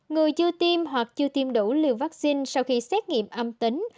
người chưa tiêm hoặc chưa tiêm đủ liều vaccine sau khi xét nghiệm âm tính